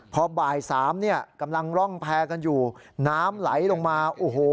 พอบ่าย๓กำลังร่องแพ้กันอยู่น้ำไหลลงมา